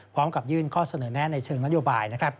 พร้อมกับยื่นข้อเสนอแน่ในเชิงนโยบาย